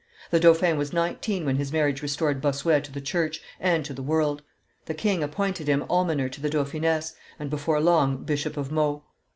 The dauphin was nineteen when his marriage restored Bossuet to the church and to the world; the king appointed him almoner to the dauphiness, and, before long, Bishop of Meaux.